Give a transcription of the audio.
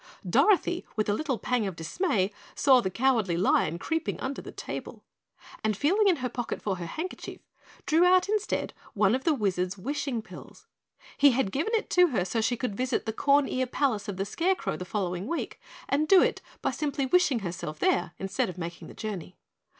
Dorothy, with a little pang of dismay, saw the Cowardly Lion creeping under the table, and feeling in her pocket for her handkerchief drew out instead one of the Wizard's wishing pills. He had given it to her so she could visit the corn ear palace of the Scarecrow the following week and do it by simply wishing herself there instead of making the journey.